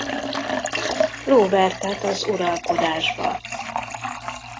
Róbertet az uralkodásba.